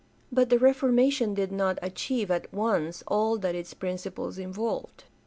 But the Reformation did not achieve at once all that its principles involved.